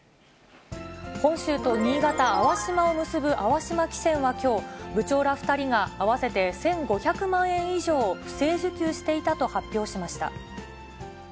本州と新潟・粟島を結ぶ粟島汽船はきょう、部長ら２人が、合わせて１５００万円以上を不正受給していたと発表しました。